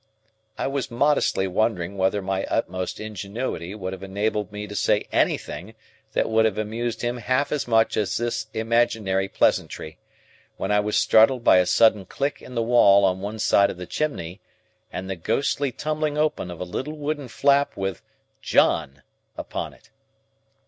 I was modestly wondering whether my utmost ingenuity would have enabled me to say anything that would have amused him half as much as this imaginary pleasantry, when I was startled by a sudden click in the wall on one side of the chimney, and the ghostly tumbling open of a little wooden flap with "JOHN" upon it.